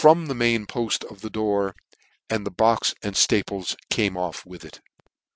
the main poftof the door, and the box and flaples came off with it.